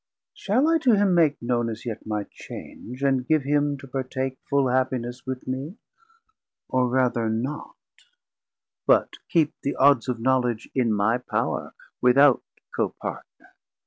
shall I to him make known As yet my change, and give him to partake Full happiness with mee, or rather not, But keep the odds of Knowledge in my power 820 Without Copartner?